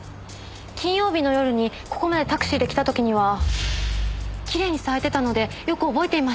金曜日の夜にここまでタクシーで来た時にはきれいに咲いてたのでよく覚えていました。